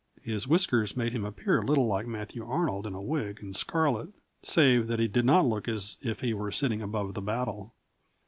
His whiskers made him appear a little like Matthew Arnold in a wig and scarlet, save that he did not look as if he were sitting above the battle.